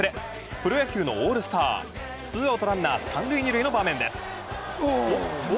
プロ野球のオールスターツーアウトランナー３塁２塁の場面です。